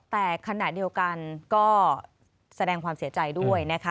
แต่ขณะเดียวกันก็แสดงความเสียใจด้วยนะคะ